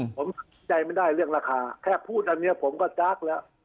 ผมใจไม่ได้เรื่องราคาแค่พูดอันนี้ผมก็จักรแล้ว